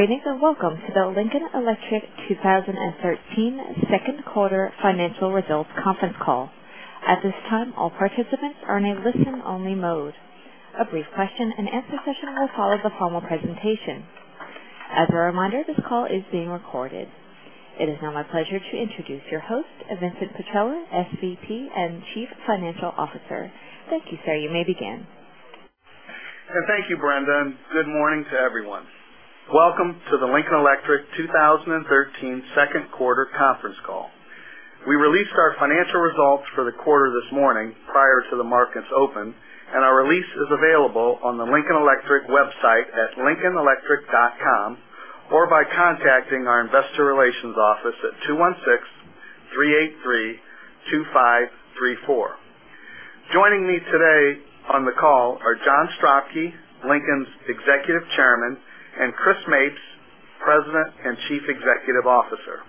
Greetings, welcome to the Lincoln Electric 2013 second quarter financial results conference call. At this time, all participants are in a listen-only mode. A brief question and answer session will follow the formal presentation. As a reminder, this call is being recorded. It is now my pleasure to introduce your host, Vincent Petrella, SVP and Chief Financial Officer. Thank you, sir. You may begin. Thank you, Brenda, good morning to everyone. Welcome to the Lincoln Electric 2013 second quarter conference call. We released our financial results for the quarter this morning prior to the markets open, and our release is available on the Lincoln Electric website at lincolnelectric.com or by contacting our investor relations office at 216-383-2534. Joining me today on the call are John Stropki, Lincoln's Executive Chairman, and Chris Mapes, President and Chief Executive Officer.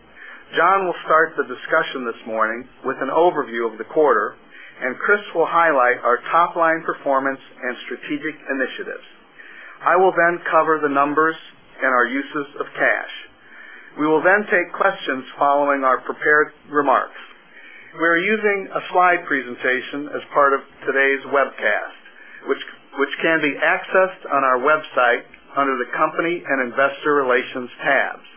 John will start the discussion this morning with an overview of the quarter, and Chris will highlight our top-line performance and strategic initiatives. I will cover the numbers and our uses of cash. We will take questions following our prepared remarks. We are using a slide presentation as part of today's webcast, which can be accessed on our website under the Company and Investor Relations tabs.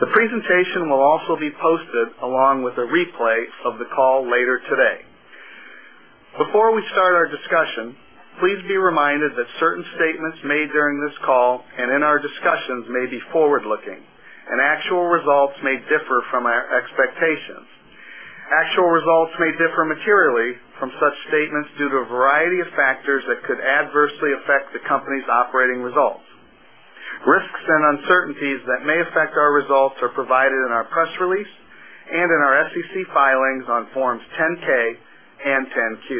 The presentation will also be posted along with a replay of the call later today. Before we start our discussion, please be reminded that certain statements made during this call and in our discussions may be forward-looking, and actual results may differ from our expectations. Actual results may differ materially from such statements due to a variety of factors that could adversely affect the company's operating results. Risks and uncertainties that may affect our results are provided in our press release and in our SEC filings on forms 10-K and 10-Q.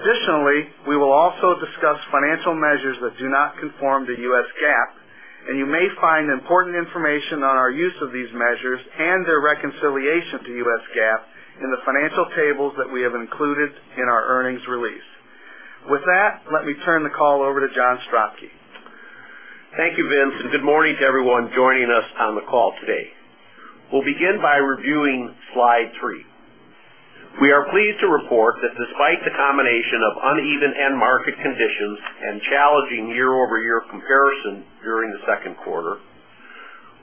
Additionally, we will also discuss financial measures that do not conform to US GAAP, and you may find important information on our use of these measures and their reconciliation to US GAAP in the financial tables that we have included in our earnings release. With that, let me turn the call over to John Stropki. Thank you, Vince, good morning to everyone joining us on the call today. We will begin by reviewing slide three. We are pleased to report that despite the combination of uneven end market conditions and challenging year-over-year comparison during the second quarter,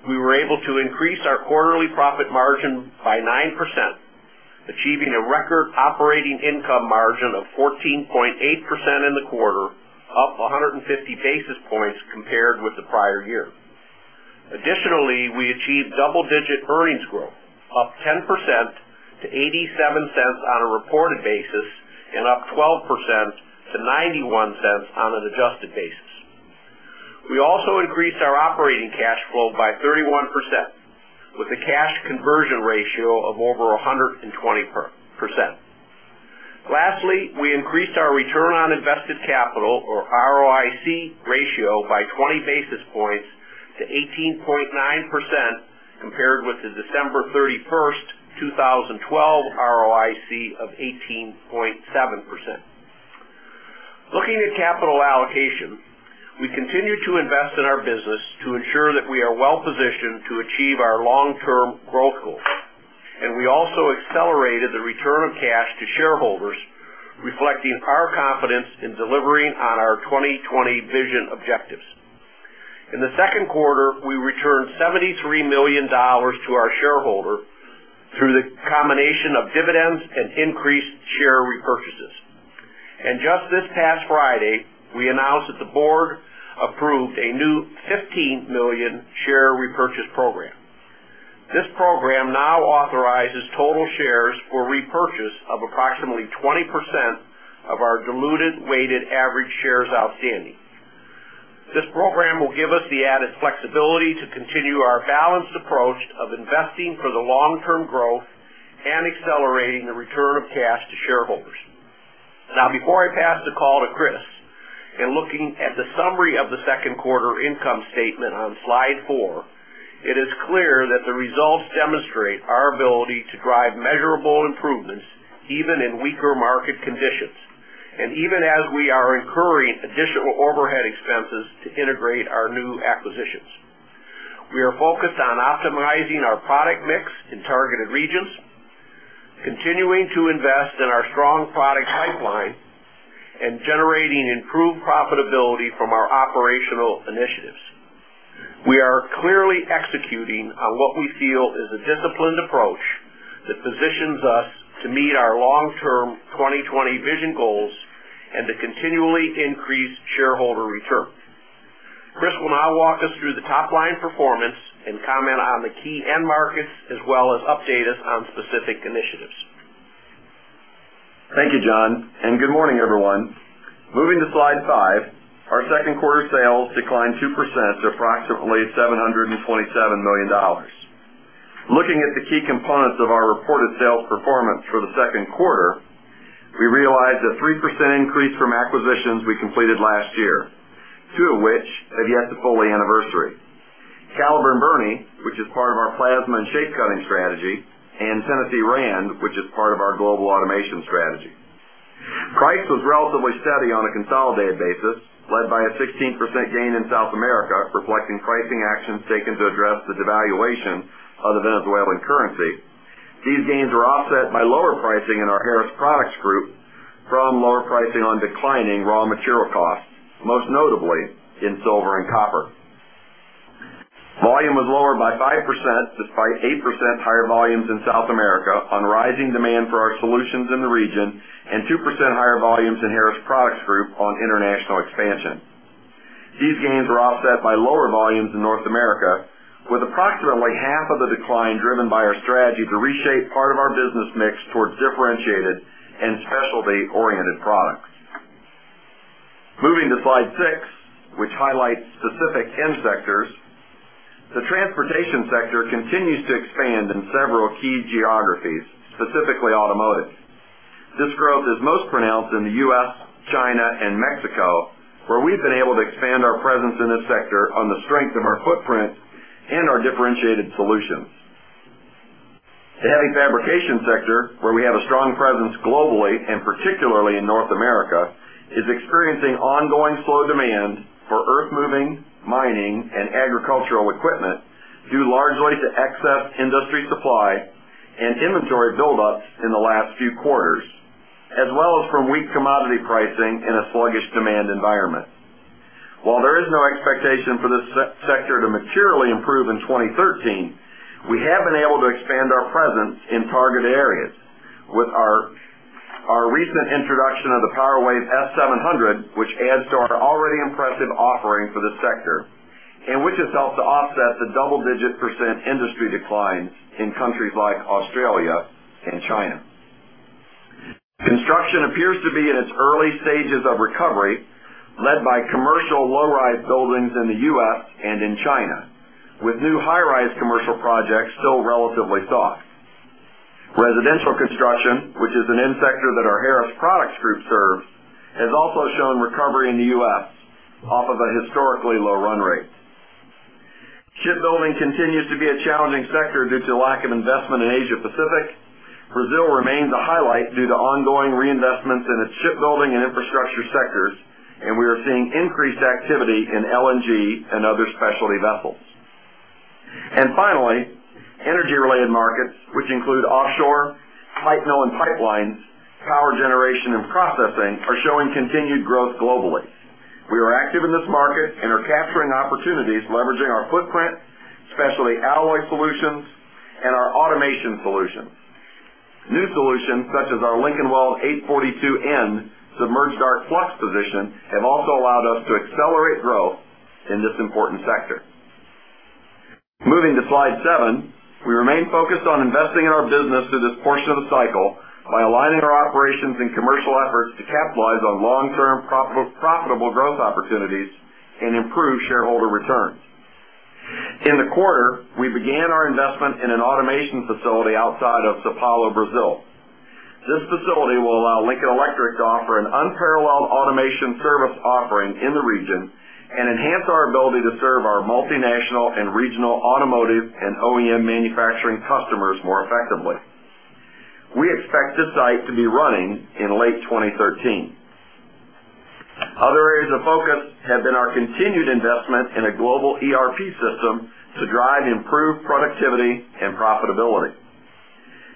we were able to increase our quarterly profit margin by 9%, achieving a record operating income margin of 14.8% in the quarter, up 150 basis points compared with the prior year. Additionally, we achieved double-digit earnings growth, up 10% to $0.87 on a reported basis and up 12% to $0.91 on an adjusted basis. We also increased our operating cash flow by 31%, with a cash conversion ratio of over 120%. Lastly, we increased our return on invested capital or ROIC ratio by 20 basis points to 18.9%, compared with the December 31st, 2012 ROIC of 18.7%. Looking at capital allocation, we continue to invest in our business to ensure that we are well-positioned to achieve our long-term growth goals. We also accelerated the return of cash to shareholders, reflecting our confidence in delivering on our 2020 Vision objectives. In the second quarter, we returned $73 million to our shareholder through the combination of dividends and increased share repurchases. Just this past Friday, we announced that the board approved a new 15 million share repurchase program. This program now authorizes total shares for repurchase of approximately 20% of our diluted weighted average shares outstanding. This program will give us the added flexibility to continue our balanced approach of investing for the long-term growth and accelerating the return of cash to shareholders. Now, before I pass the call to Chris, in looking at the summary of the second quarter income statement on slide four, it is clear that the results demonstrate our ability to drive measurable improvements even in weaker market conditions and even as we are incurring additional overhead expenses to integrate our new acquisitions. We are focused on optimizing our product mix in targeted regions, continuing to invest in our strong product pipeline, and generating improved profitability from our operational initiatives. We are clearly executing on what we feel is a disciplined approach that positions us to meet our long-term 2020 Vision goals and to continually increase shareholder returns. Chris will now walk us through the top-line performance and comment on the key end markets as well as update us on specific initiatives. Thank you, John, and good morning, everyone. Moving to slide five, our second-quarter sales declined 2% to approximately $727 million. Looking at the key components of our reported sales performance for the second quarter, we realized a 3% increase from acquisitions we completed last year, two of which have yet to fully anniversary. Kaliburn and Burny, which is part of our plasma and shape cutting strategy, and Tennessee Rand, which is part of our global automation strategy. Price was relatively steady on a consolidated basis, led by a 16% gain in South America, reflecting pricing actions taken to address the devaluation of the Venezuelan currency. These gains were offset by lower pricing in our Harris Products Group from lower pricing on declining raw material costs, most notably in silver and copper. Volume was lower by 5%, despite 8% higher volumes in South America on rising demand for our solutions in the region and 2% higher volumes in Harris Products Group on international expansion. These gains were offset by lower volumes in North America, with approximately half of the decline driven by our strategy to reshape part of our business mix towards differentiated and specialty-oriented products. Moving to slide six, which highlights specific end sectors. The transportation sector continues to expand in several key geographies, specifically automotive. This growth is most pronounced in the U.S., China, and Mexico, where we've been able to expand our presence in this sector on the strength of our footprint and our differentiated solutions. The heavy fabrication sector, where we have a strong presence globally and particularly in North America, is experiencing ongoing slow demand for earthmoving, mining, and agricultural equipment, due largely to excess industry supply and inventory buildups in the last few quarters, as well as from weak commodity pricing in a sluggish demand environment. While there is no expectation for this sector to materially improve in 2013, we have been able to expand our presence in targeted areas with our recent introduction of the Power Wave S700, which adds to our already impressive offering for this sector, and which has helped to offset the double-digit % industry decline in countries like Australia and China. Construction appears to be in its early stages of recovery, led by commercial low-rise buildings in the U.S. and in China, with new high-rise commercial projects still relatively soft. Residential construction, which is an end sector that our Harris Products Group serves, has also shown recovery in the U.S. off of a historically low run rate. Shipbuilding continues to be a challenging sector due to lack of investment in Asia Pacific. Brazil remains a highlight due to ongoing reinvestments in its shipbuilding and infrastructure sectors, and we are seeing increased activity in LNG and other specialty vessels. Finally, energy-related markets, which include offshore, pipe mill and pipelines, power generation and processing, are showing continued growth globally. We are active in this market and are capturing opportunities leveraging our footprint, specialty alloy solutions, and our automation solutions. New solutions, such as our Lincolnweld 842N submerged arc flux position, have also allowed us to accelerate growth in this important sector. Moving to slide seven. We remain focused on investing in our business through this portion of the cycle by aligning our operations and commercial efforts to capitalize on long-term profitable growth opportunities and improve shareholder returns. In the quarter, we began our investment in an automation facility outside of São Paulo, Brazil. This facility will allow Lincoln Electric to offer an unparalleled automation service offering in the region and enhance our ability to serve our multinational and regional automotive and OEM manufacturing customers more effectively. We expect this site to be running in late 2013. Other areas of focus have been our continued investment in a global ERP system to drive improved productivity and profitability.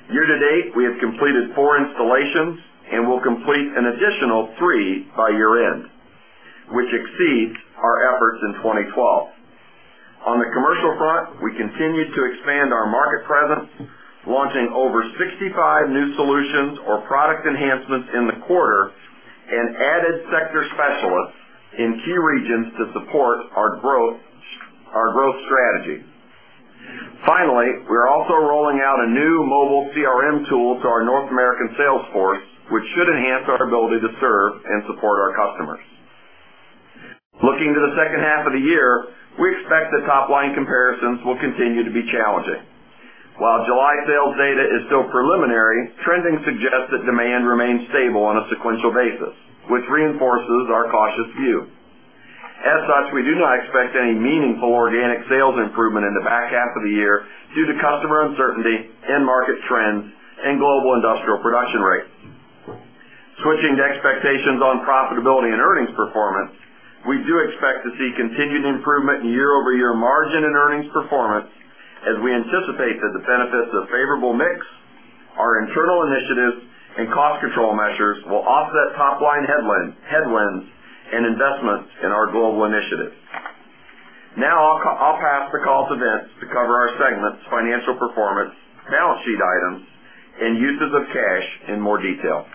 Year to date, we have completed four installations and will complete an additional three by year-end, which exceeds our efforts in 2012. On the commercial front, we continue to expand our market presence, launching over 65 new solutions or product enhancements in the quarter and added sector specialists in key regions to support our growth strategy. Finally, we're also rolling out a new mobile CRM tool to our North American sales force, which should enhance our ability to serve and support our customers. Looking to the second half of the year, we expect that top-line comparisons will continue to be challenging. While July sales data is still preliminary, trending suggests that demand remains stable on a sequential basis, which reinforces our cautious view. As such, we do not expect any meaningful organic sales improvement in the back half of the year due to customer uncertainty and market trends and global industrial production rates. Switching to expectations on profitability and earnings performance, we do expect to see continued improvement in year-over-year margin and earnings performance as we anticipate that the benefits of favorable mix, our internal initiatives, and cost control measures will offset top-line headwinds and investments in our global initiatives. Now I'll pass to Vincent Petrella to cover our segments, financial performance, balance sheet items, and uses of cash in more detail.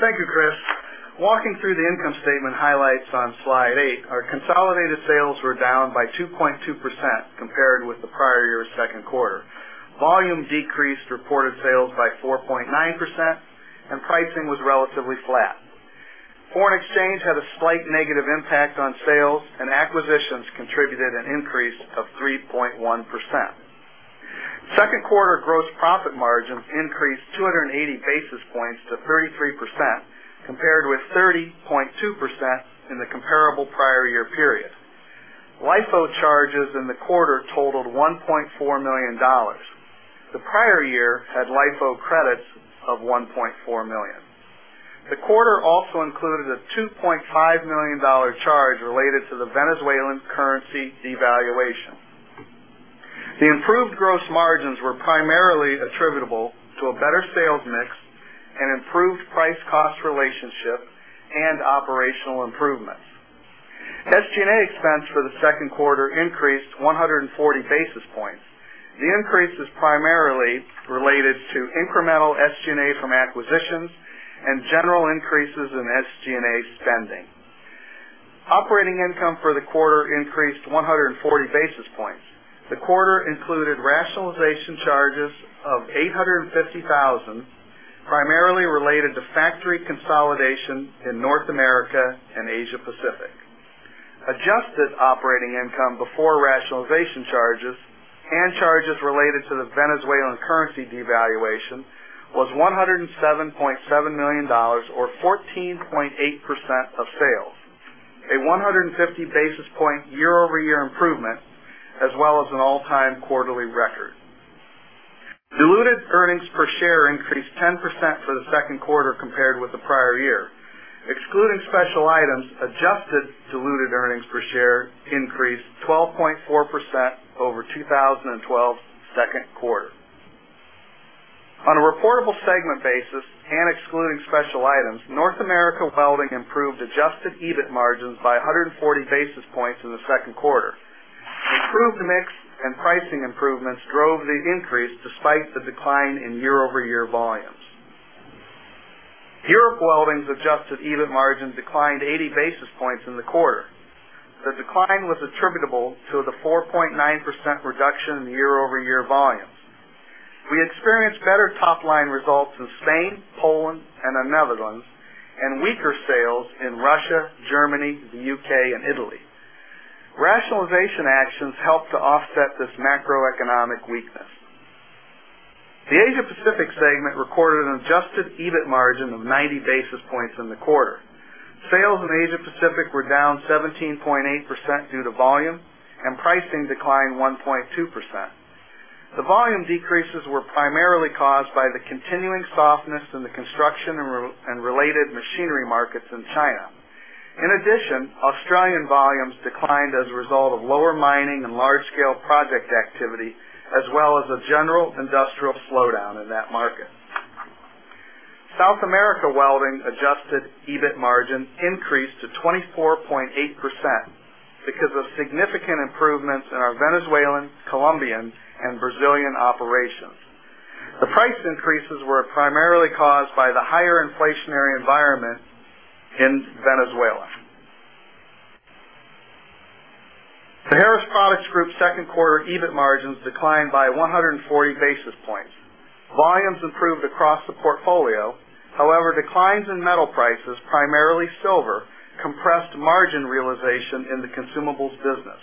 Thank you, Chris. Walking through the income statement highlights on slide eight, our consolidated sales were down by 2.2% compared with the prior year's second quarter. Volume decreased reported sales by 4.9%, and pricing was relatively flat. Foreign exchange had a slight negative impact on sales, and acquisitions contributed an increase of 3.1%. Second quarter gross profit margin increased 280 basis points to 33%, compared with 30.2% in the comparable prior year period. LIFO charges in the quarter totaled $1.4 million. The prior year had LIFO credits of $1.4 million. The quarter also included a $2.5 million charge related to the Venezuelan currency devaluation. The improved gross margins were primarily attributable to a better sales mix, an improved price-cost relationship, and operational improvements. SG&A expense for the second quarter increased 140 basis points. The increase is primarily related to incremental SG&A from acquisitions and general increases in SG&A spending. Operating income for the quarter increased 140 basis points. The quarter included rationalization charges of $850,000, primarily related to factory consolidation in North America and Asia Pacific. Adjusted operating income before rationalization charges and charges related to the Venezuelan currency devaluation was $107.7 million or 14.8% of sales, a 150 basis point year-over-year improvement as well as an all-time quarterly record. Diluted earnings per share increased 10% for the second quarter compared with the prior year. Excluding special items, adjusted diluted earnings per share increased 12.4% over 2012's second quarter. On a reportable segment basis and excluding special items, North America Welding improved adjusted EBIT margins by 140 basis points in the second quarter. Improved mix and pricing improvements drove the increase despite the decline in year-over-year volumes. Europe Welding's adjusted EBIT margin declined 80 basis points in the quarter. The decline was attributable to the 4.9% reduction in year-over-year volumes. We experienced better top-line results in Spain, Poland, and the Netherlands, and weaker sales in Russia, Germany, the U.K., and Italy. Rationalization actions helped to offset this macroeconomic weakness. The Asia Pacific segment recorded an adjusted EBIT margin of 90 basis points in the quarter. Sales in Asia Pacific were down 17.8% due to volume, and pricing declined 1.2%. The volume decreases were primarily caused by the continuing softness in the construction and related machinery markets in China. In addition, Australian volumes declined as a result of lower mining and large-scale project activity, as well as a general industrial slowdown in that market. South America Welding adjusted EBIT margin increased to 24.8% because of significant improvements in our Venezuelan, Colombian, and Brazilian operations. The price increases were primarily caused by the higher inflationary environment in Venezuela. The Harris Products Group's second quarter EBIT margins declined by 140 basis points. Volumes improved across the portfolio. Declines in metal prices, primarily silver, compressed margin realization in the consumables business.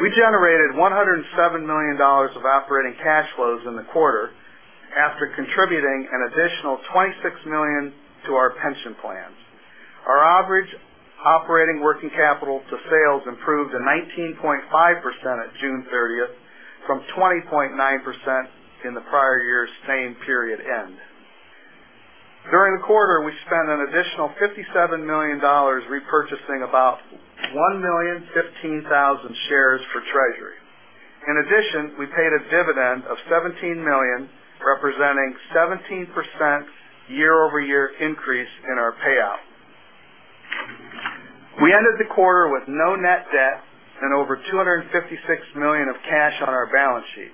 We generated $107 million of operating cash flows in the quarter after contributing an additional $26 million to our pension plans. Our average operating working capital to sales improved to 19.5% at June 30th, from 20.9% in the prior year's same period end. During the quarter, we spent an additional $57 million repurchasing about 1,015,000 shares for treasury. We paid a dividend of $17 million, representing 17% year-over-year increase in our payout. We ended the quarter with no net debt and over $256 million of cash on our balance sheet.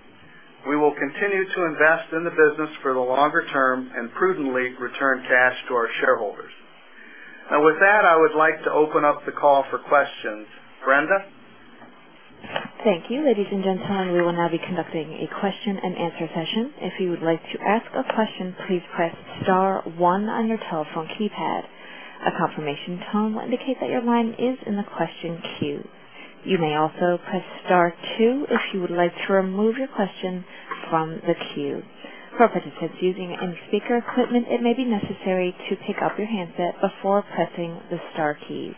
We will continue to invest in the business for the longer term and prudently return cash to our shareholders. With that, I would like to open up the call for questions. Brenda? Thank you. Ladies and gentlemen, we will now be conducting a question and answer session. If you would like to ask a question, please press *1 on your telephone keypad. A confirmation tone will indicate that your line is in the question queue. You may also press *2 if you would like to remove your question from the queue. For participants using any speaker equipment, it may be necessary to pick up your handset before pressing the star keys.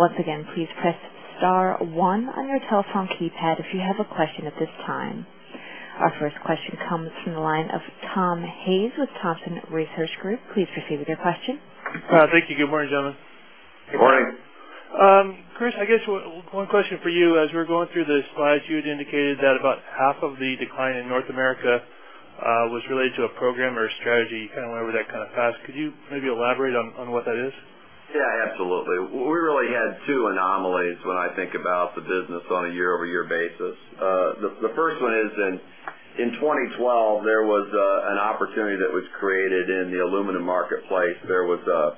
Once again, please press *1 on your telephone keypad if you have a question at this time. Our first question comes from the line of Tom Hayes with Thompson Research Group. Please proceed with your question. Thank you. Good morning, gentlemen. Good morning. Good morning. Chris, I guess one question for you. As we were going through the slides, you had indicated that about half of the decline in North America was related to a program or a strategy. You kind of went over that kind of fast. Could you maybe elaborate on what that is? Yeah, absolutely. We really had two anomalies when I think about the business on a year-over-year basis. The first one is in 2012, there was an opportunity that was created in the aluminum marketplace. There was a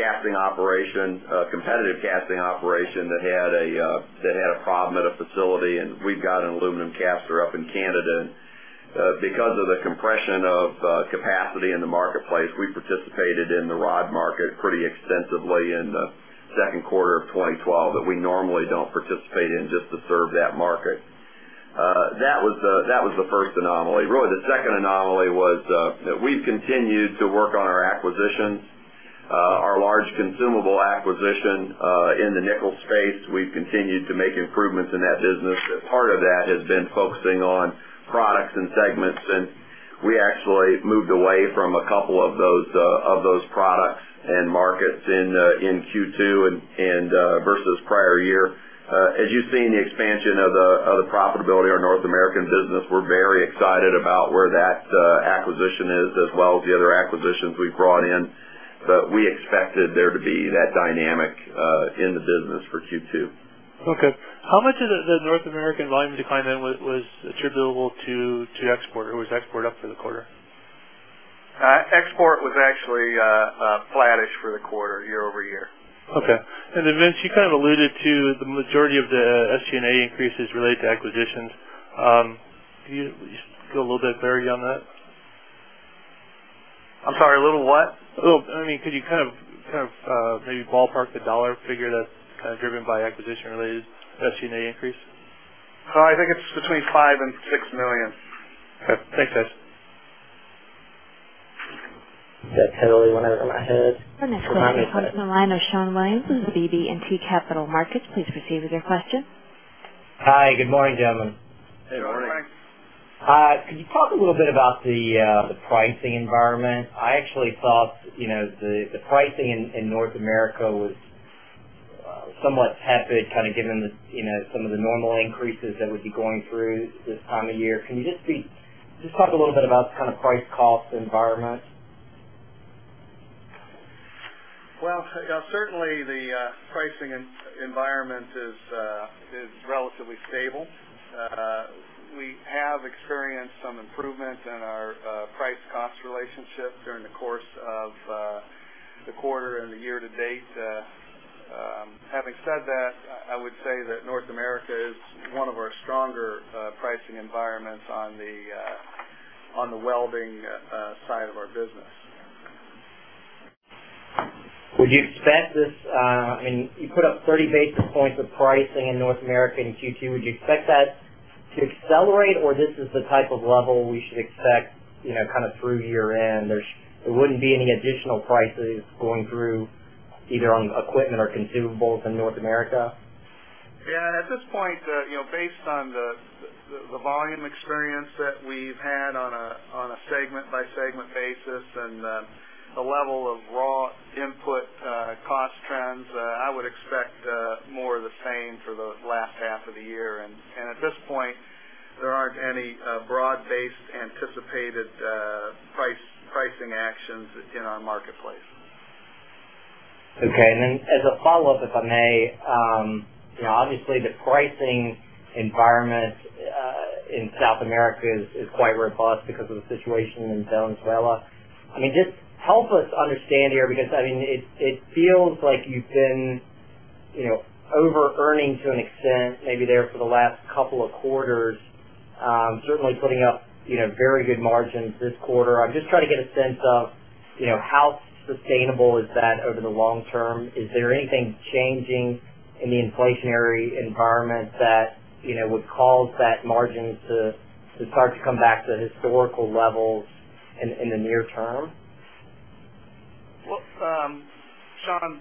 competitive casting operation that had a problem at a facility, and we've got an aluminum caster up in Canada. Because of the compression of capacity in the marketplace, we participated in the rod market pretty extensively in the second quarter of 2012 that we normally don't participate in just to serve that market. That was the first anomaly. Really, the second anomaly was that we've continued to work on our acquisitions, our large consumable acquisition in the nickel space. We've continued to make improvements in that business. Part of that has been focusing on products and segments, we actually moved away from a couple of those products and markets in Q2 versus prior year. As you've seen the expansion of the profitability of our North American business, we're very excited about where that acquisition is as well as the other acquisitions we've brought in. We expected there to be that dynamic in the business for Q2. Okay. How much of the North American volume decline then was attributable to export? Was export up for the quarter? Export was actually flattish for the quarter year-over-year. Okay. Vince, you kind of alluded to the majority of the SG&A increases relate to acquisitions. Can you just go a little bit deeper on that? I'm sorry, a little what? I mean, could you kind of maybe ballpark the dollar figure that's kind of driven by acquisition-related SG&A increase? I think it's between $5 million and $6 million. Okay. Thanks, guys. That totally went over my head. Not me. The next question comes from the line of Sean Williams with BB&T Capital Markets. Please proceed with your question. Hi, good morning, gentlemen. Hey, good morning. Good morning. Could you talk a little bit about the pricing environment? I actually thought the pricing in North America was somewhat tepid, kind of given some of the normal increases that we'd be going through this time of year. Can you just talk a little bit about kind of price-cost environment? Well, certainly the pricing environment is relatively stable. We have experienced some improvement in our price-cost relationship during the course of the quarter and the year to date. Having said that, I would say that North America is one of our stronger pricing environments on the welding side of our business. Would you expect this, and you put up 30 basis points of pricing in North America in Q2? Would you expect that to accelerate, or this is the type of level we should expect kind of through year-end? There wouldn't be any additional prices going through either on equipment or consumables in North America? Yeah, at this point based on the volume experience that we've had on a segment-by-segment basis and the level of raw input cost trends, I would expect more of the same for the last half of the year. At this point, there aren't any broad-based anticipated pricing actions in our marketplace. Okay. As a follow-up, if I may, obviously the pricing environment in South America is quite robust because of the situation in Venezuela. I mean, just help us understand here, because it feels like you've been over-earning to an extent, maybe there for the last couple of quarters, certainly putting up very good margins this quarter. I'm just trying to get a sense of how sustainable is that over the long term. Is there anything changing in the inflationary environment that would cause that margin to start to come back to historical levels in the near term? Well, Sean,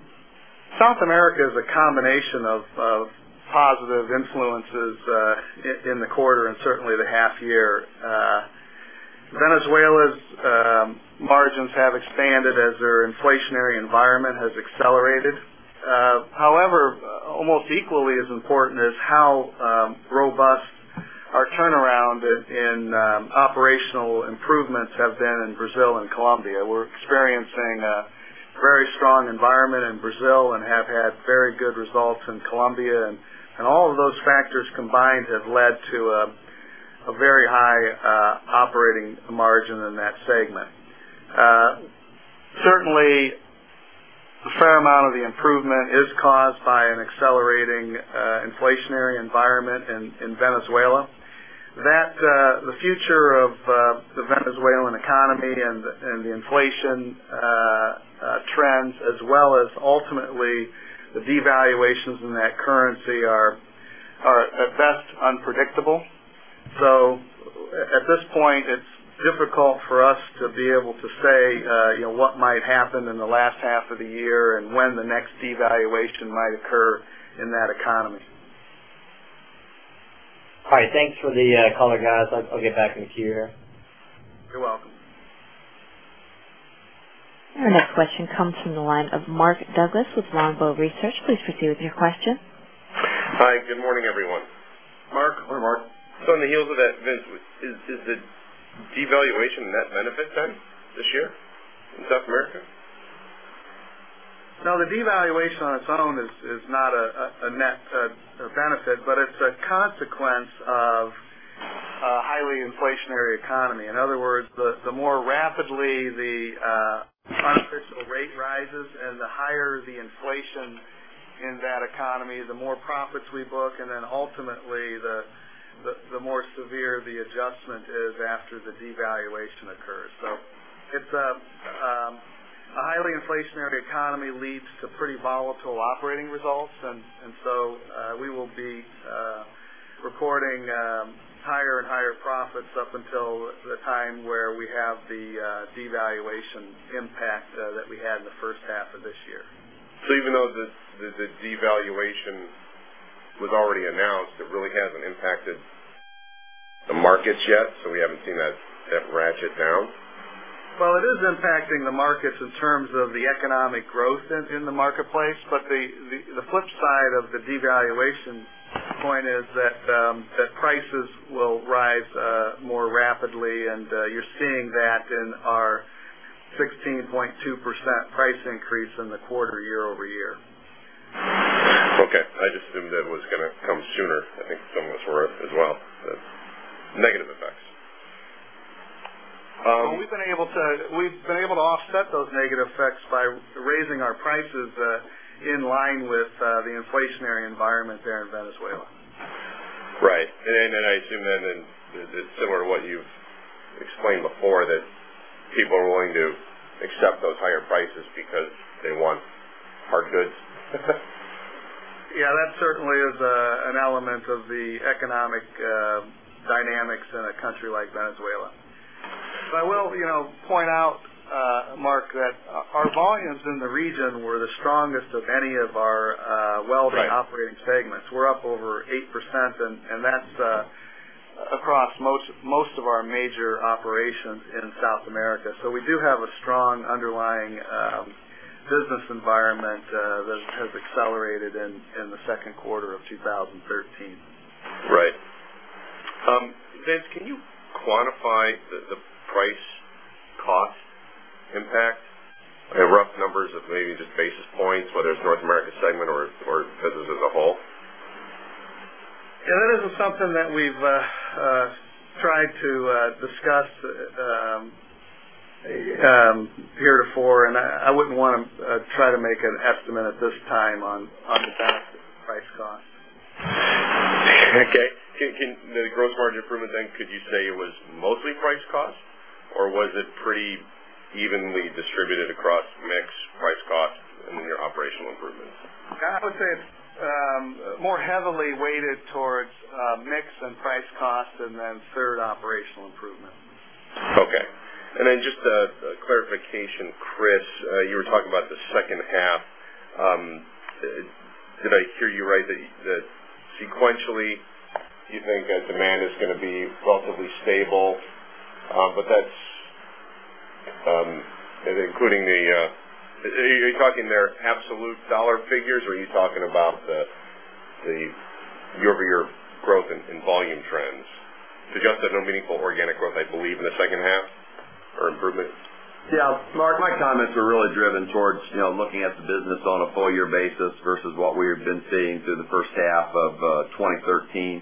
South America is a combination of positive influences in the quarter and certainly the half year. Venezuela's margins have expanded as their inflationary environment has accelerated. However, almost equally as important is how robust our turnaround in operational improvements have been in Brazil and Colombia. We're experiencing a very strong environment in Brazil and have had very good results in Colombia. All of those factors combined have led to a very high operating margin in that segment. Certainly, a fair amount of the improvement is caused by an accelerating inflationary environment in Venezuela. The future of the Venezuelan economy and the inflation trends as well as ultimately the devaluations in that currency are at best unpredictable. At this point, it's difficult for us to be able to say what might happen in the last half of the year and when the next devaluation might occur in that economy. All right. Thanks for the color, guys. I'll get back in the queue here. You're welcome. Our next question comes from the line of Mark Douglas with Longbow Research. Please proceed with your question. Hi, good morning, everyone. Mark. Good morning, Mark. On the heels of that, Vince, is the devaluation a net benefit then this year in South America? No, the devaluation on its own is not a net benefit, but it's a consequence of a highly inflationary economy. In other words, the more rapidly the unofficial rate rises and the higher the inflation in that economy, the more profits we book, and then ultimately, the more severe the adjustment is after the devaluation occurs. A highly inflationary economy leads to pretty volatile operating results. We will be reporting higher and higher profits up until the time where we have the devaluation impact that we had in the first half of this year. Even though the devaluation was already announced, it really hasn't impacted the markets yet, so we haven't seen that ratchet down? Well, it is impacting the markets in terms of the economic growth in the marketplace, but the flip side of the devaluation point is that prices will rise more rapidly, and you're seeing that in our 16.2% price increase in the quarter, year-over-year. Okay. I just assumed it was going to come sooner. I think some of us were as well, the negative effects. We've been able to offset those negative effects by raising our prices in line with the inflationary environment there in Venezuela. Right. I assume then it's similar to what you've explained before, that people are willing to accept those higher prices because they want hard goods. Yeah, that certainly is an element of the economic dynamics in a country like Venezuela. I will point out, Mark, that our volumes in the region were the strongest of any of our welding- Right operating segments. We're up over 8%, that's across most of our major operations in South America. We do have a strong underlying business environment that has accelerated in the second quarter of 2013. Right. Vince, can you quantify the price cost impact? Rough numbers of maybe just basis points, whether it's North America segment or business as a whole. That is something that we've tried to discuss here before, I wouldn't want to try to make an estimate at this time on the impact of the price cost. Okay. The gross margin improvement, could you say it was mostly price cost, or was it pretty evenly distributed across mix, price cost, and then your operational improvements? I would say it's more heavily weighted towards mix and price cost, then third, operational improvement. Okay. Just a clarification, Chris, you were talking about the second half. Did I hear you right that sequentially you think that demand is going to be relatively stable? Are you talking there absolute dollar figures, or are you talking about the year-over-year growth in volume trends? You suggested no meaningful organic growth, I believe, in the second half or improvement? Yeah. Mark, my comments are really driven towards looking at the business on a full-year basis versus what we have been seeing through the first half of 2013.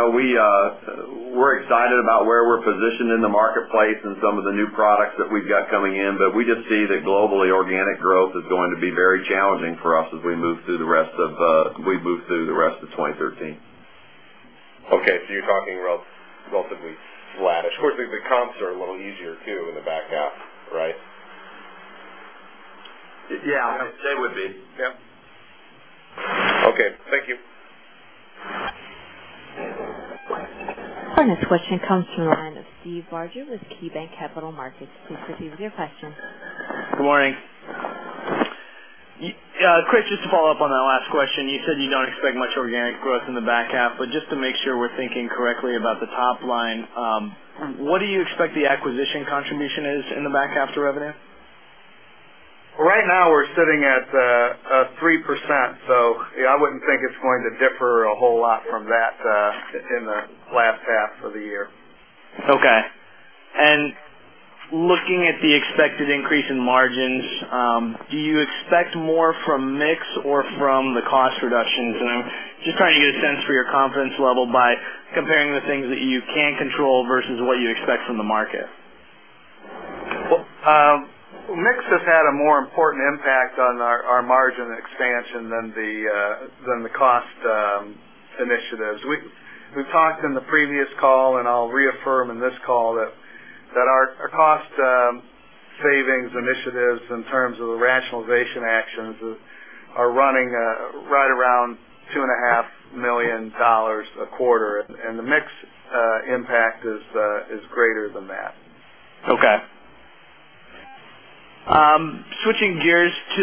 We're excited about where we're positioned in the marketplace and some of the new products that we've got coming in. We just see that globally, organic growth is going to be very challenging for us as we move through the rest of 2013. Okay, you're talking relatively flat. Of course, the comps are a little easier too in the back half, right? Yeah. They would be. Yep. Okay. Thank you. This question comes from the line of Steve Barger with KeyBanc Capital Markets. Please proceed with your question. Good morning. Chris, just to follow up on that last question, you said you don't expect much organic growth in the back half, but just to make sure we're thinking correctly about the top line, what do you expect the acquisition contribution is in the back half to revenue? Right now, we're sitting at 3%. Yeah, I wouldn't think it's going to differ a whole lot from that in the last half of the year. Okay. Looking at the expected increase in margins, do you expect more from mix or from the cost reductions? I'm just trying to get a sense for your confidence level by comparing the things that you can control versus what you expect from the market. Mix has had a more important impact on our margin expansion than the cost initiatives. We've talked in the previous call, I'll reaffirm in this call that our cost savings initiatives in terms of the rationalization actions are running right around $2.5 million a quarter. The mix impact is greater than that. Okay. Switching gears to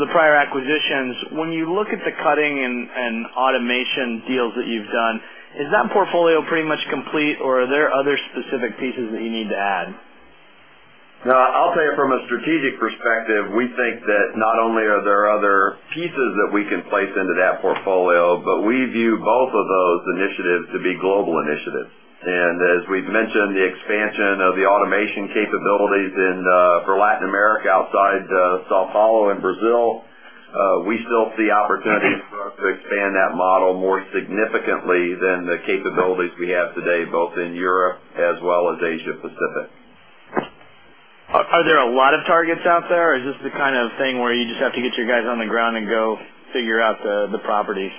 the prior acquisitions. When you look at the cutting and automation deals that you've done, is that portfolio pretty much complete, or are there other specific pieces that you need to add? I'll tell you from a strategic perspective, we think that not only are there other pieces that we can place into that portfolio, but we view both of those initiatives to be global initiatives. As we've mentioned, the expansion of the automation capabilities for Latin America outside São Paulo and Brazil, we still see opportunities for us to expand that model more significantly than the capabilities we have today, both in Europe as well as Asia Pacific. Are there a lot of targets out there, or is this the kind of thing where you just have to get your guys on the ground and go figure out the properties?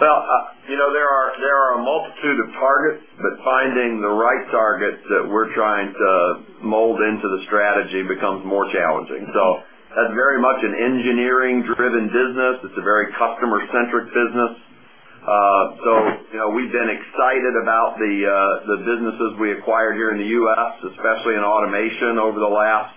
There are a multitude of targets, finding the right targets that we're trying to mold into the strategy becomes more challenging. That's very much an engineering-driven business. It's a very customer-centric business. We've been excited about the businesses we acquired here in the U.S., especially in automation over the last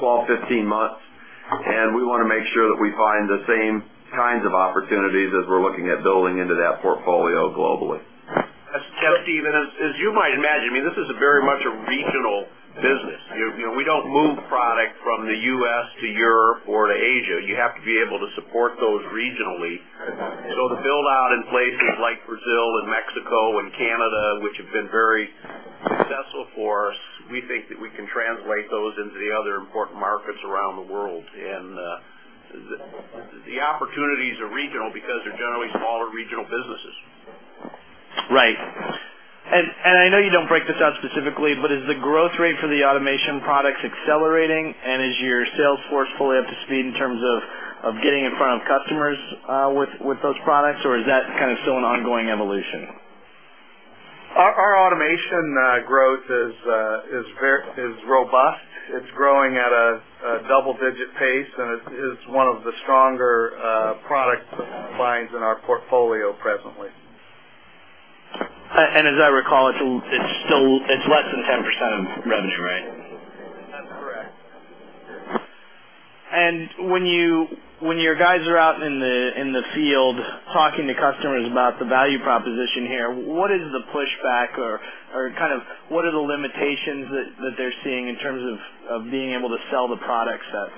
12, 15 months, and we want to make sure that we find the same kinds of opportunities as we're looking at building into that portfolio globally. That's key, Steven. As you might imagine, this is very much a regional business. We don't move product from the U.S. to Europe or to Asia. You have to be able to support those regionally. The build-out in places like Brazil and Mexico and Canada, which have been very successful for us, we think that we can translate those into the other important markets around the world. The opportunities are regional because they're generally smaller regional businesses. Right. I know you don't break this out specifically, is the growth rate for the automation products accelerating? Is your sales force fully up to speed in terms of getting in front of customers with those products? Is that still an ongoing evolution? Our automation growth is robust. It's growing at a double-digit pace, it is one of the stronger product lines in our portfolio presently. As I recall, it's less than 10% of revenue, right? That's correct. When your guys are out in the field talking to customers about the value proposition here, what is the pushback, or what are the limitations that they're seeing in terms of being able to sell the product set?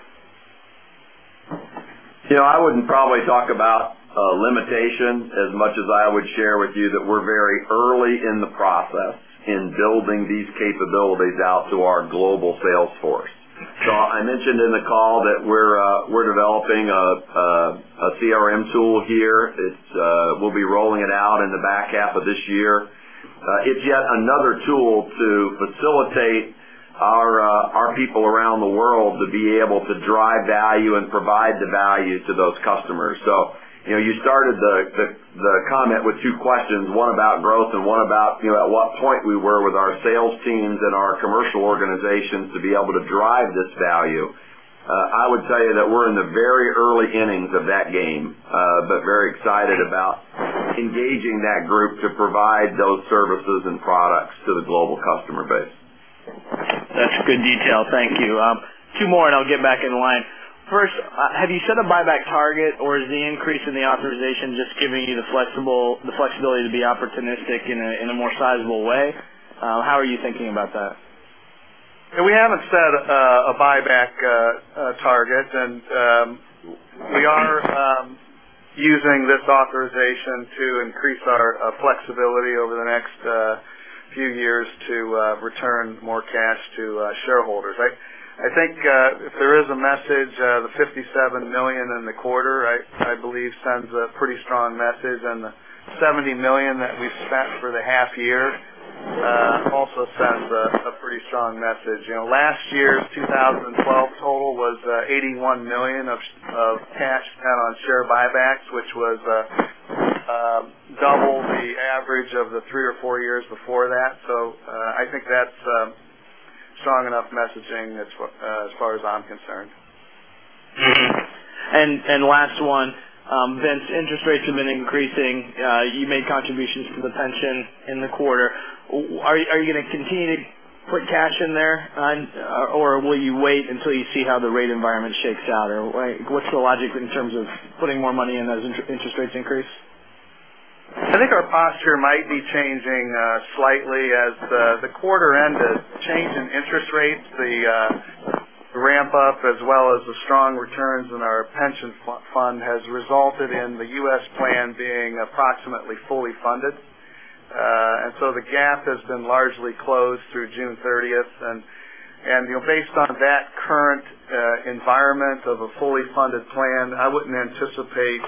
I wouldn't probably talk about limitations as much as I would share with you that we're very early in the process in building these capabilities out to our global sales force. I mentioned in the call that we're developing a CRM tool here. We'll be rolling it out in the back half of this year. It's yet another tool to facilitate our people around the world to be able to drive value and provide the value to those customers. You started the comment with two questions, one about growth and one about at what point we were with our sales teams and our commercial organizations to be able to drive this value. I would tell you that we're in the very early innings of that game, but very excited about engaging that group to provide those services and products to the global customer base. That's good detail. Thank you. Two more, and I'll get back in line. First, have you set a buyback target, or is the increase in the authorization just giving you the flexibility to be opportunistic in a more sizable way? How are you thinking about that? We haven't set a buyback target, and we are using this authorization to increase our flexibility over the next few years to return more cash to shareholders. I think if there is a message, the $57 million in the quarter, I believe, sends a pretty strong message, and the $70 million that we've spent for the half year also sends a pretty strong message. Last year's 2012 total was $81 million of cash spent on share buybacks, which was double the average of the three or four years before that. I think that's strong enough messaging as far as I'm concerned. Last one. Vince, interest rates have been increasing. You made contributions to the pension in the quarter. Are you going to continue to put cash in there, or will you wait until you see how the rate environment shakes out? What's the logic in terms of putting more money in as interest rates increase? I think our posture might be changing slightly as the quarter end, the change in interest rates, the ramp up, as well as the strong returns on our pension fund has resulted in the U.S. plan being approximately fully funded. The gap has been largely closed through June 30th. Based on that current environment of a fully funded plan, I wouldn't anticipate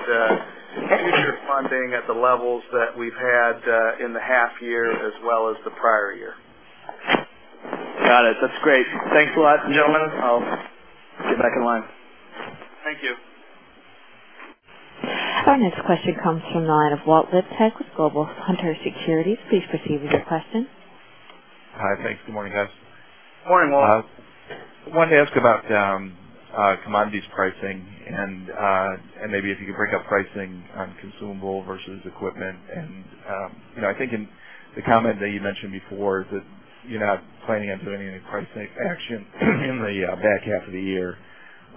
future funding at the levels that we've had in the half year as well as the prior year. Got it. That's great. Thanks a lot, gentlemen. I'll get back in line. Thank you. Our next question comes from the line of Walt Liptak with Global Hunter Securities. Please proceed with your question. Hi. Thanks. Good morning, guys. Morning, Walt. I wanted to ask about commodities pricing and maybe if you could break up pricing on consumable versus equipment. I think in the comment that you mentioned before that you're not planning on doing any pricing action in the back half of the year,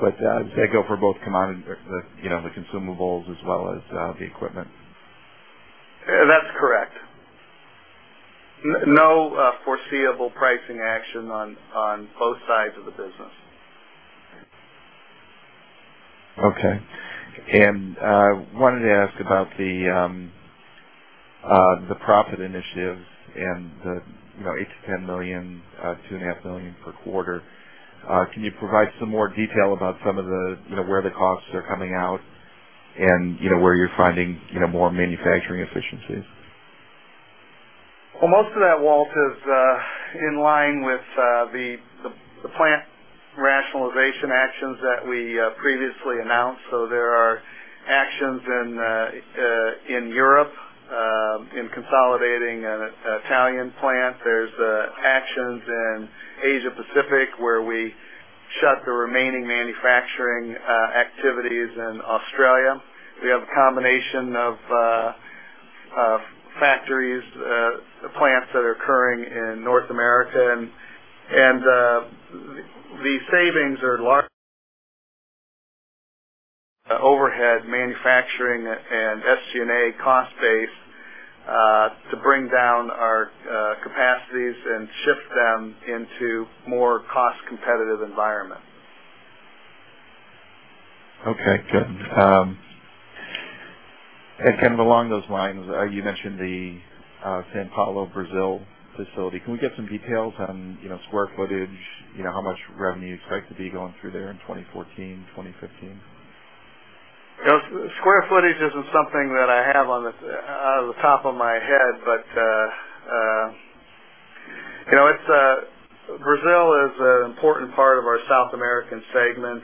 does that go for both the consumables as well as the equipment? That's correct. No foreseeable pricing action on both sides of the business. Okay. I wanted to ask about the profit initiatives and the $8 million-$10 million, $2.5 million per quarter. Can you provide some more detail about where the costs are coming out? Where you're finding more manufacturing efficiencies? Well, most of that, Walt, is in line with the plant rationalization actions that we previously announced. There are actions in Europe, in consolidating an Italian plant. There's actions in Asia Pacific, where we shut the remaining manufacturing activities in Australia. We have a combination of factories, plants that are occurring in North America. These savings are large. Overhead manufacturing and SG&A cost base to bring down our capacities and shift them into more cost-competitive environments. Okay, good. Kind of along those lines, you mentioned the São Paulo, Brazil facility. Can we get some details on square footage, how much revenue you expect to be going through there in 2014, 2015? Square footage isn't something that I have out of the top of my head, Brazil is an important part of our South America Welding segment.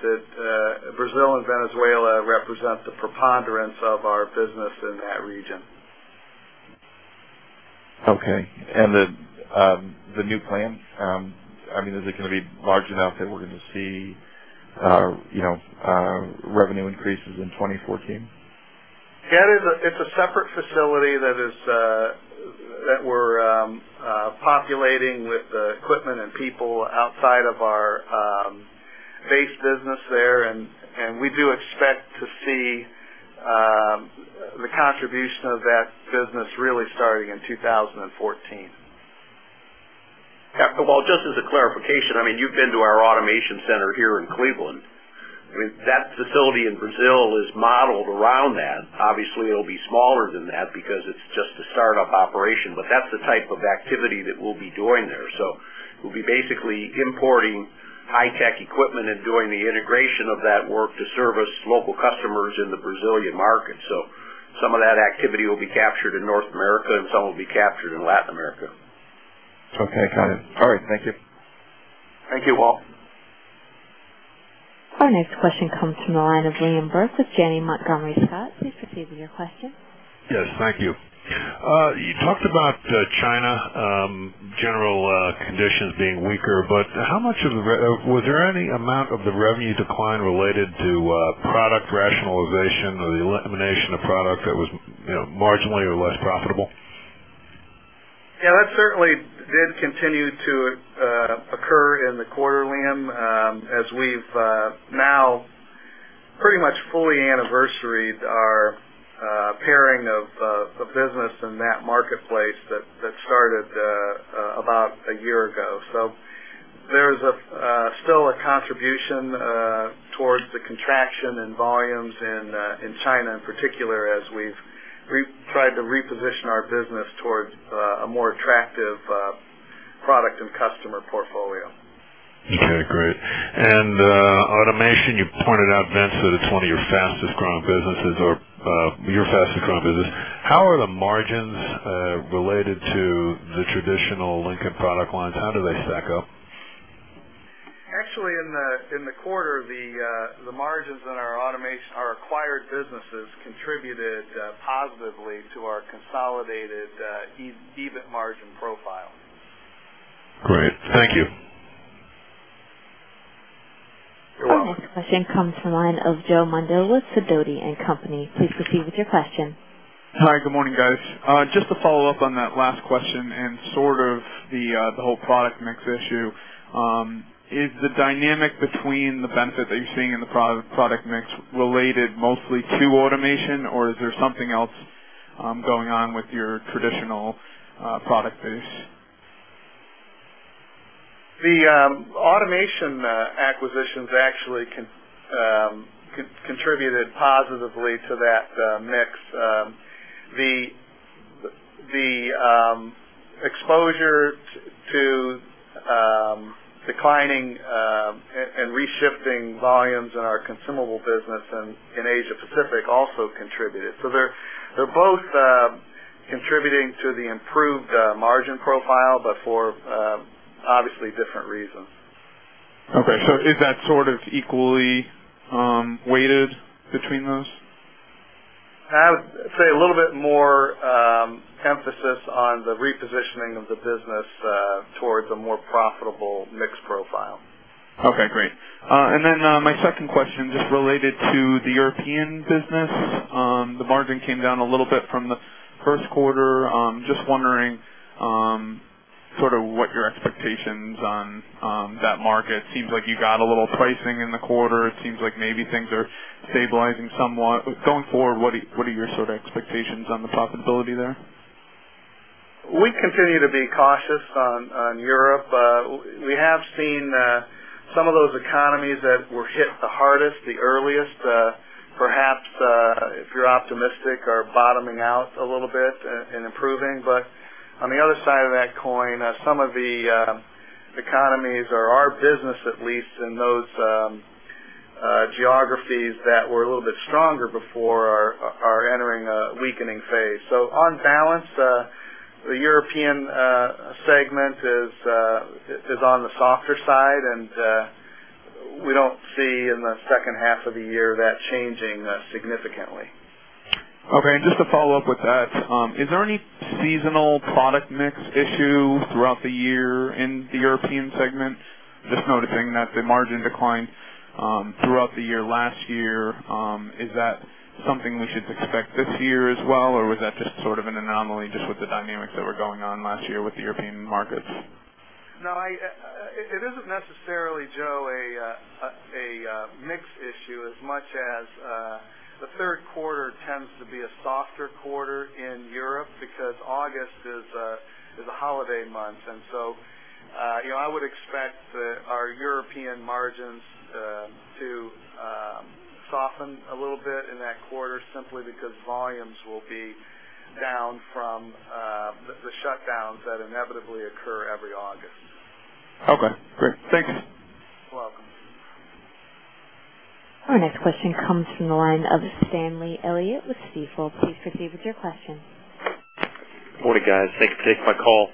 Brazil and Venezuela represent the preponderance of our business in that region. Okay. The new plant, is it going to be large enough that we're going to see revenue increases in 2014? It's a separate facility that we're populating with equipment and people outside of our base business there. We do expect to see the contribution of that business really starting in 2014. Just as a clarification, you've been to our automation center here in Cleveland. That facility in Brazil is modeled around that. Obviously, it'll be smaller than that because it's just a startup operation, but that's the type of activity that we'll be doing there. We'll be basically importing high-tech equipment and doing the integration of that work to service local customers in the Brazilian market. Some of that activity will be captured in North America, and some will be captured in Latin America. Okay, got it. All right, thank you. Thank you, Walt. Our next question comes from the line of William Burke with Janney Montgomery Scott. Please proceed with your question. Yes, thank you. You talked about China, general conditions being weaker. Was there any amount of the revenue decline related to product rationalization or the elimination of product that was marginally or less profitable? Yeah, that certainly did continue to occur in the quarter, William, as we've now pretty much fully anniversaried our paring of the business in that marketplace that started about a year ago. There's still a contribution towards the contraction in volumes in China in particular, as we've tried to reposition our business towards a more attractive product and customer portfolio. Okay, great. Automation, you pointed out, Vince, that it's one of your fastest-growing businesses or your fastest-growing business. How are the margins related to the traditional Lincoln product lines? How do they stack up? Actually, in the quarter, the margins in our acquired businesses contributed positively to our consolidated EBIT margin profile. Great. Thank you. You're welcome. Our next question comes from the line of Joseph Mondello with Sidoti & Company. Please proceed with your question. Hi, good morning, guys. Just to follow up on that last question and sort of the whole product mix issue. Is the dynamic between the benefit that you're seeing in the product mix related mostly to automation, or is there something else going on with your traditional product base? The automation acquisitions actually contributed positively to that mix. The exposure to declining and re-shifting volumes in our consumable business in Asia Pacific also contributed. They're both contributing to the improved margin profile, but for obviously different reasons. Okay. Is that sort of equally weighted between those? I'd say a little bit more emphasis on the repositioning of the business towards a more profitable mix profile. Okay, great. My second question, just related to the European business. The margin came down a little bit from the first quarter. Just wondering sort of what your expectations on that market. Seems like you got a little pricing in the quarter. It seems like maybe things are stabilizing somewhat. Going forward, what are your sort of expectations on the profitability there? We continue to be cautious on Europe. We have seen some of those economies that were hit the hardest, the earliest, perhaps, if you're optimistic, are bottoming out a little bit and improving. On the other side of that coin, some of the economies or our business, at least in those geographies that were a little bit stronger before, are entering a weakening phase. On balance, the European segment is on the softer side, and we don't see in the second half of the year that changing significantly. Okay. Just to follow up with that, is there any seasonal product mix issue throughout the year in the European segment? Just noticing that the margin decline throughout the year last year, is that something we should expect this year as well, or was that just sort of an anomaly just with the dynamics that were going on last year with the European markets? No, it isn't necessarily, Joe, a mix issue as much as the third quarter tends to be a softer quarter in Europe because August is a holiday month. I would expect our European margins to soften a little bit in that quarter simply because volumes will be down from the shutdowns that inevitably occur every August. Okay, great. Thanks. You're welcome. Our next question comes from the line of Stanley Elliott with Stifel. Please proceed with your question. Morning, guys. Thanks for taking my call.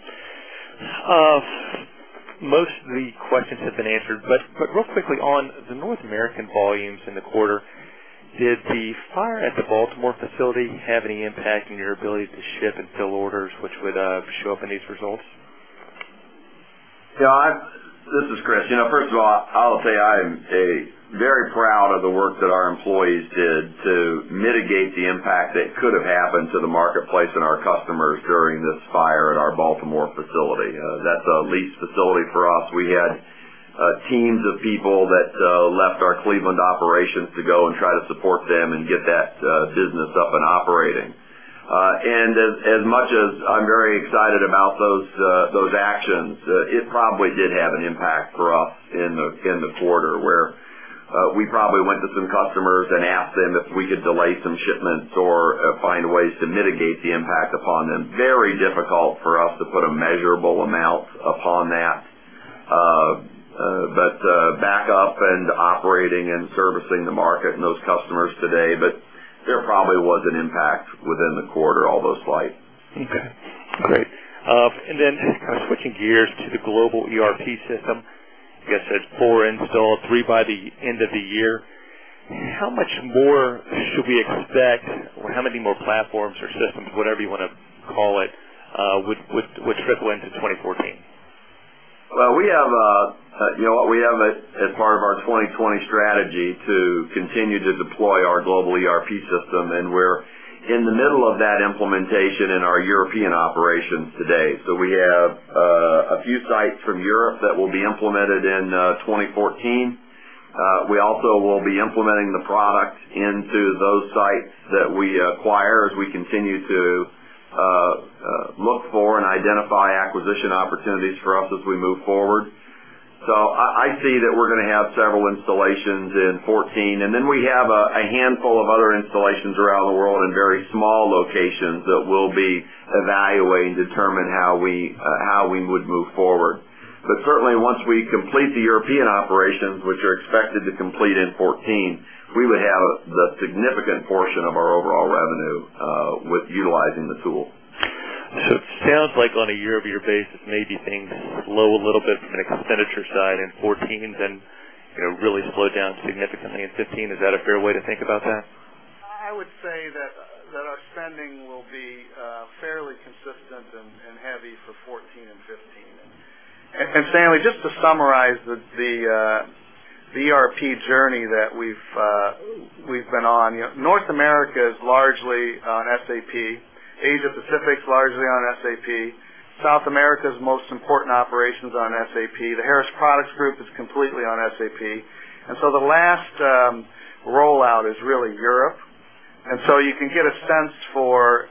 Most of the questions have been answered, but real quickly on the North American volumes in the quarter, did the fire at the Baltimore facility have any impact on your ability to ship and fill orders which would show up in these results? This is Chris. First of all, I'll say I'm very proud of the work that our employees did to mitigate the impact that could have happened to the marketplace and our customers during this fire at our Baltimore facility. That's a leased facility for us. We had teams of people that left our Cleveland operations to go and try to support them and get that business up and operating. As much as I'm very excited about those actions, it probably did have an impact for us in the quarter, where we probably went to some customers and asked them if we could delay some shipments or find ways to mitigate the impact upon them. Very difficult for us to put a measurable amount upon that. Back up and operating and servicing the market and those customers today. There probably was an impact within the quarter, although slight. Okay, great. Then kind of switching gears to the global ERP system. I guess it's 4 installed, 3 by the end of the year. How much more should we expect, or how many more platforms or systems, whatever you want to call it, would trickle into 2014? We have as part of our 2020 Strategy to continue to deploy our global ERP system, we're in the middle of that implementation in our European operations today. We have a few sites from Europe that will be implemented in 2014. We also will be implementing the product into those sites that we acquire as we continue to look for and identify acquisition opportunities for us as we move forward. I see that we're going to have several installations in 2014, then we have a handful of other installations around the world in very small locations that we'll be evaluating to determine how we would move forward. Certainly, once we complete the European operations, which are expected to complete in 2014, we would have the significant portion of our overall revenue with utilizing the tool. It sounds like on a year-over-year basis, maybe things slow a little bit from an expenditure side in 2014, then really slow down significantly in 2015. Is that a fair way to think about that? I would say that our spending will be fairly consistent and heavy for 2014 and 2015. Stanley, just to summarize the ERP journey that we've been on. North America is largely on SAP. Asia Pacific's largely on SAP. South America's most important operation's on SAP. The Harris Products Group is completely on SAP. The last rollout is really Europe. You can get a sense for,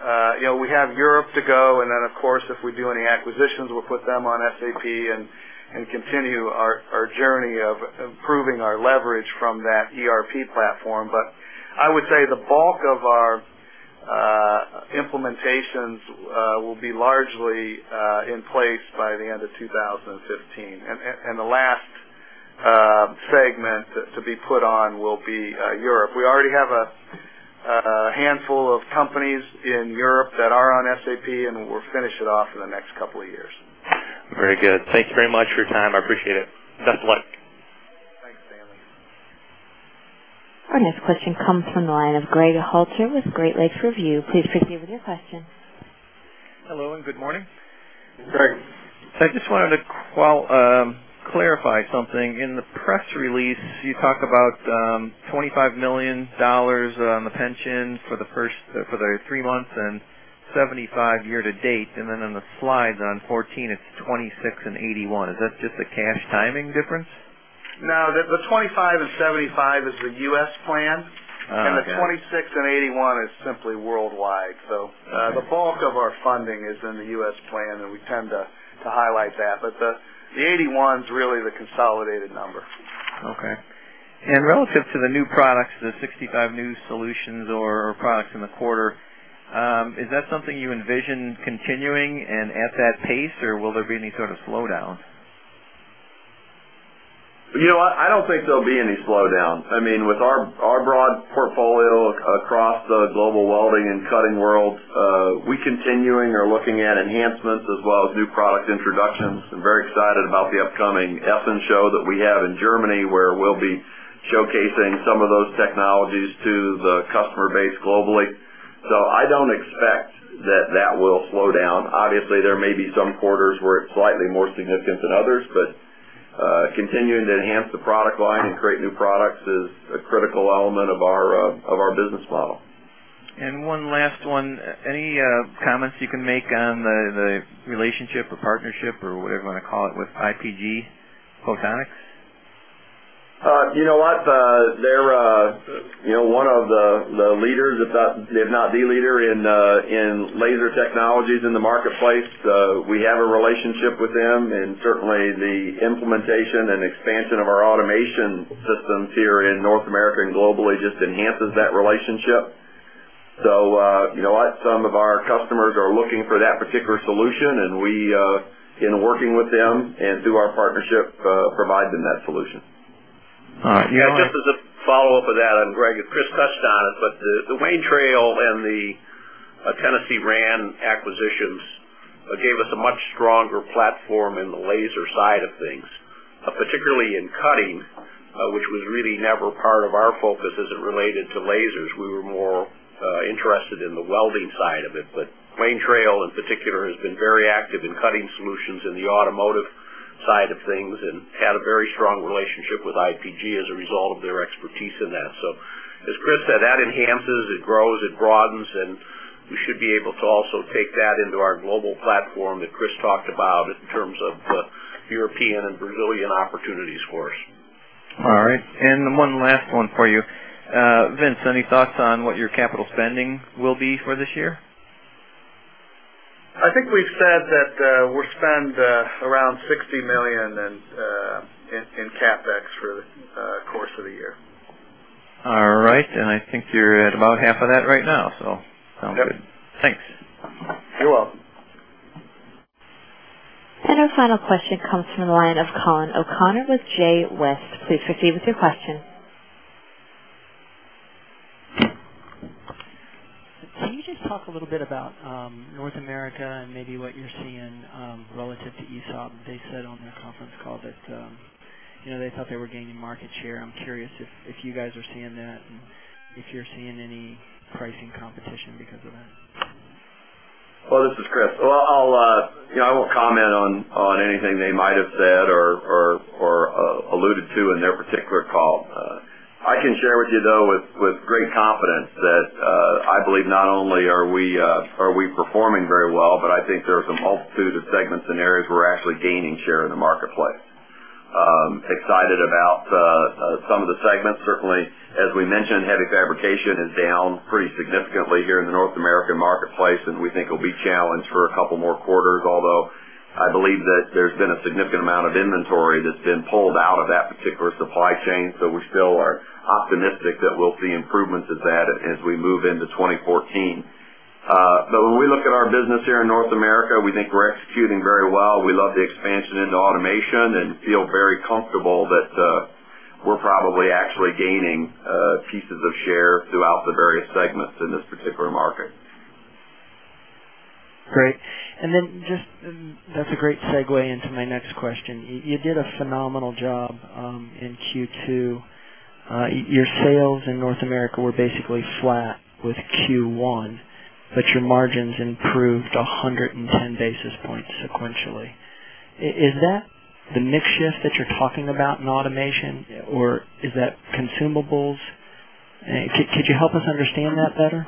we have Europe to go, then, of course, if we do any acquisitions, we'll put them on SAP and continue our journey of improving our leverage from that ERP platform. I would say the bulk of our implementations will be largely in place by the end of 2015. The last segment to be put on will be Europe. We already have a handful of companies in Europe that are on SAP, we'll finish it off in the next couple of years. Very good. Thank you very much for your time. I appreciate it. Best of luck. Thanks, Stanley. Our next question comes from the line of Greg Halter with Great Lakes Review. Please proceed with your question. Hello and good morning. Greg. I just wanted to clarify something. In the press release, you talk about $25 million on the pension for the three months and $75 year-to-date. On the slides on 14, it's $26 and $81. Is that just a cash timing difference? No, the $25 and $75 is the U.S. plan. Oh, okay. The $26 and $81 is simply worldwide. The bulk of our funding is in the U.S. plan, and we tend to highlight that. The $81 is really the consolidated number. Okay. Relative to the new products, the 65 new solutions or products in the quarter, is that something you envision continuing and at that pace, or will there be any sort of slowdown? You know what? I don't think there'll be any slowdown. With our broad portfolio across the global welding and cutting world, we continuing are looking at enhancements as well as new product introductions. I'm very excited about the upcoming Essen show that we have in Germany, where we'll be showcasing some of those technologies to the customer base globally. I don't expect that that will slow down. Obviously, there may be some quarters where it's slightly more significant than others, continuing to enhance the product line and create new products is a critical element of our business model. One last one. Any comments you can make on the relationship or partnership, or whatever you want to call it, with IPG Photonics? You know what? They're one of the leaders, if not the leader, in laser technologies in the marketplace. We have a relationship with them, and certainly the implementation and expansion of our automation systems here in North America and globally just enhances that relationship. You know what? Some of our customers are looking for that particular solution, and we, in working with them and through our partnership, provide them that solution. All right. Just as a follow-up of that, Greg, as Chris touched on it, the Wayne Trail and the Tennessee Rand acquisitions gave us a much stronger platform in the laser side of things, particularly in cutting, which was really never part of our focus as it related to lasers. We were more interested in the welding side of it. Wayne Trail, in particular, has been very active in cutting solutions in the automotive side of things and had a very strong relationship with IPG as a result of their expertise in that. As Chris said, that enhances, it grows, it broadens, and we should be able to also take that into our global platform that Chris talked about in terms of European and Brazilian opportunities for us. All right. One last one for you. Vince, any thoughts on what your capital spending will be for this year? I think we've said that we'll spend around $60 million in CapEx through the course of the year. All right. I think you're at about half of that right now, sounds good. Got it. Thanks. You're welcome. Our final question comes from the line of Colin O'Connor with J. West. Please proceed with your question. Can you just talk a little bit about North America and maybe what you're seeing relative to ESAB? They said on their conference call that they thought they were gaining market share. I'm curious if you guys are seeing that and if you're seeing any pricing competition because of that. Well, this is Chris. I won't comment on anything they might have said or alluded to in their particular call. I can share with you, though, with great confidence that I believe not only are we performing very well, but I think there are some multitude of segments and areas where we're actually gaining share in the marketplace. Excited about some of the segments. Certainly, as we mentioned, heavy fabrication is down pretty significantly here in the North American marketplace, and we think it'll be challenged for a couple more quarters, although I believe that there's been a significant amount of inventory that's been pulled out of that particular supply chain. We still are optimistic that we'll see improvements as we move into 2014. When we look at our business here in North America, we think we're executing very well. We love the expansion into automation and feel very comfortable that we're probably actually gaining pieces of share throughout the various segments in this particular market. Great. That's a great segue into my next question. You did a phenomenal job in Q2. Your sales in North America were basically flat with Q1, but your margins improved 110 basis points sequentially. Is that the mix shift that you're talking about in automation, or is that consumables? Could you help us understand that better?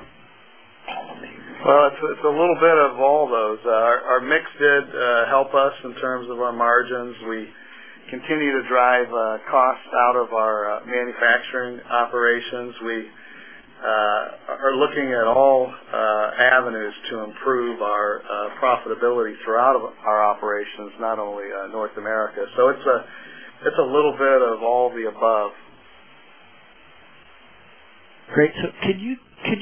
Well, it's a little bit of all those. Our mix did help us in terms of our margins. We continue to drive costs out of our manufacturing operations. We are looking at all avenues to improve our profitability throughout our operations, not only North America. It's a little bit of all the above. Great. Could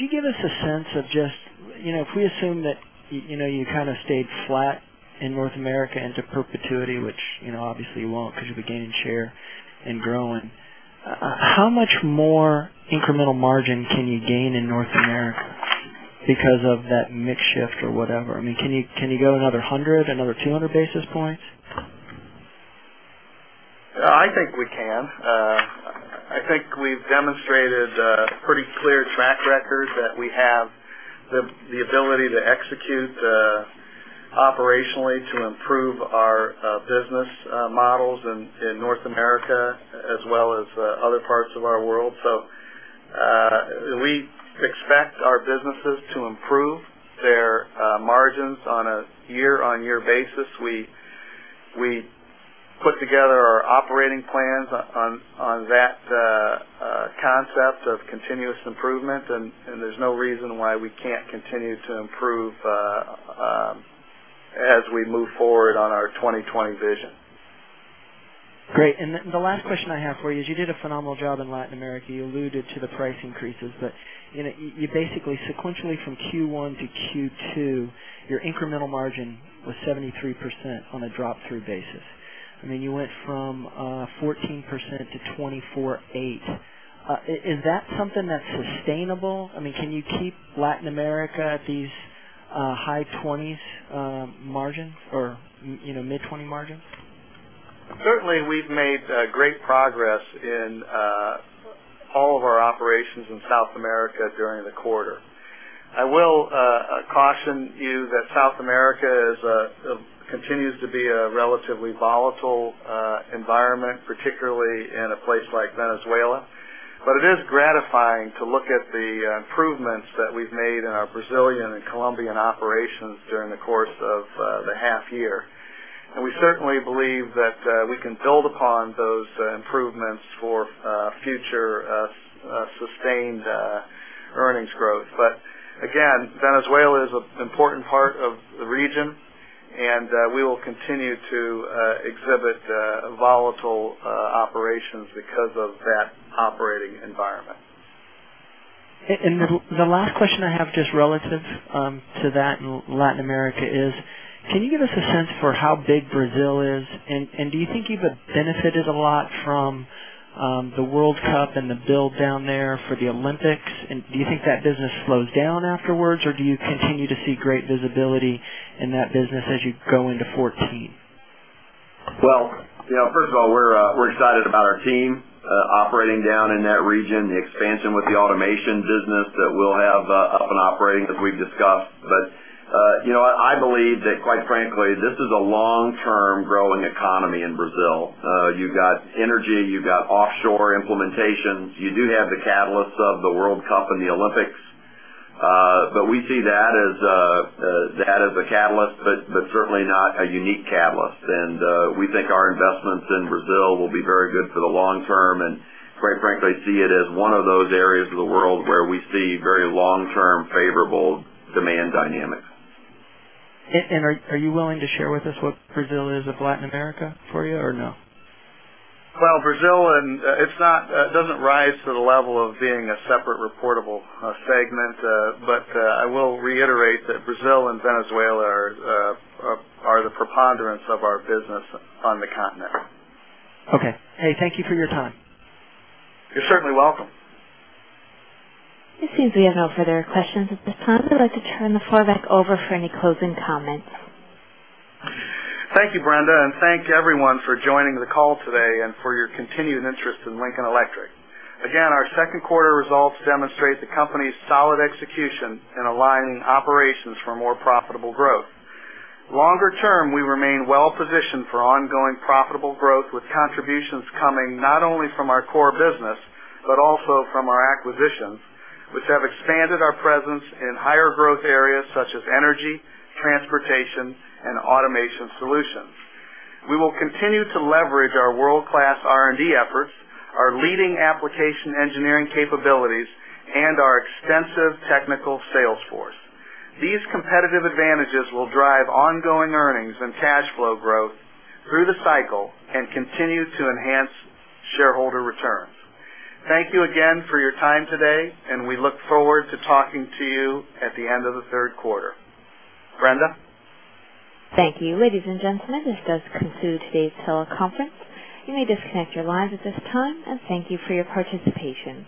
you give us a sense of just, if we assume that you kind of stayed flat in North America into perpetuity, which obviously you won't because you'll be gaining share and growing, how much more incremental margin can you gain in North America because of that mix shift or whatever? Can you go another 100, another 200 basis points? I think we can. I think we've demonstrated a pretty clear track record that we have the ability to execute operationally to improve our business models in North America as well as other parts of our world. We expect our businesses to improve their margins on a year-on-year basis. We put together our operating plans on that concept of continuous improvement, and there's no reason why we can't continue to improve as we move forward on our 2020 Vision. Great. The last question I have for you is, you did a phenomenal job in Latin America. You alluded to the price increases, but you basically sequentially from Q1 to Q2, your incremental margin was 73% on a drop-through basis. I mean, you went from 14% to 24.8%. Is that something that's sustainable? Can you keep Latin America at these high 20s margins or mid-20 margins? Certainly, we've made great progress in all of our operations in South America during the quarter. I will caution you that South America continues to be a relatively volatile environment, particularly in a place like Venezuela. It is gratifying to look at the improvements that we've made in our Brazilian and Colombian operations during the course of the half year. We certainly believe that we can build upon those improvements for future sustained earnings growth. Again, Venezuela is an important part of the region, and we will continue to exhibit volatile operations because of that operating environment. The last question I have, just relative to that in Latin America is, can you give us a sense for how big Brazil is? Do you think you've benefited a lot from the World Cup and the build down there for the Olympics? Do you think that business slows down afterwards, or do you continue to see great visibility in that business as you go into 2014? Well, first of all, we're excited about our team operating down in that region, the expansion with the automation business that we'll have up and operating as we've discussed. I believe that, quite frankly, this is a long-term growing economy in Brazil. You've got energy, you've got offshore implementations. You do have the catalysts of the World Cup and the Olympics. We see that as a catalyst, but certainly not a unique catalyst. We think our investments in Brazil will be very good for the long term and quite frankly, see it as one of those areas of the world where we see very long-term favorable demand dynamics. Are you willing to share with us what Brazil is of Latin America for you or no? Brazil, it doesn't rise to the level of being a separate reportable segment. I will reiterate that Brazil and Venezuela are the preponderance of our business on the continent. Hey, thank you for your time. You're certainly welcome. It seems we have no further questions at this time. I'd like to turn the floor back over for any closing comments. Thank you, Brenda, and thanks everyone for joining the call today and for your continued interest in Lincoln Electric. Again, our second quarter results demonstrate the company's solid execution in aligning operations for more profitable growth. Longer term, we remain well-positioned for ongoing profitable growth, with contributions coming not only from our core business, but also from our acquisitions, which have expanded our presence in higher growth areas such as energy, transportation, and automation solutions. We will continue to leverage our world-class R&D efforts, our leading application engineering capabilities, and our extensive technical sales force. These competitive advantages will drive ongoing earnings and cash flow growth through the cycle and continue to enhance shareholder returns. Thank you again for your time today, and we look forward to talking to you at the end of the third quarter. Brenda? Thank you. Ladies and gentlemen, this does conclude today's teleconference. You may disconnect your lines at this time, and thank you for your participation.